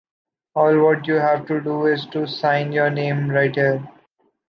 All what you have to do is to sign your name right here.